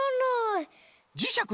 じしゃく